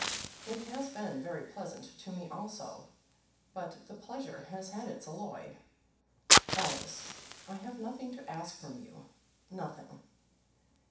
"It has been very pleasant to me, also; but the pleasure has had its alloy. Alice, I have nothing to ask from you, nothing."